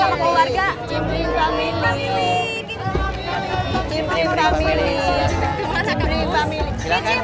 enak mancang dan merahkan